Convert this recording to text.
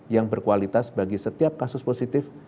yang berkualitas bagi setiap kasus positif